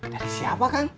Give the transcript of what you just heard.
dari siapa kang